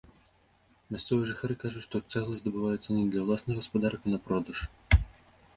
Мясцовыя жыхары кажуць, што цэгла здабываецца не для ўласных гаспадарак, а на продаж.